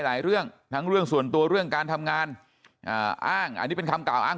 เรื่องทั้งเรื่องส่วนตัวเรื่องการทำงานอ้างอันนี้เป็นคำกล่าวอ้าง